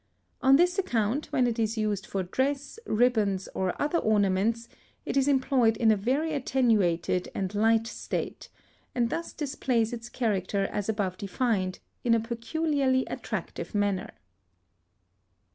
On this account, when it is used for dress, ribbons, or other ornaments, it is employed in a very attenuated and light state, and thus displays its character as above defined, in a peculiarly attractive manner.